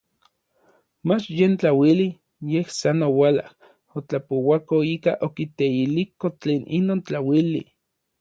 Mach yen tlauili, yej san oualaj otlapouako ika okiteiliko tlen inon tlauili.